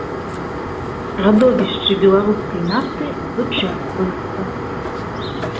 Радовішчы беларускай нафты вычэрпваюцца.